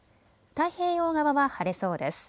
太平洋側は晴れそうです。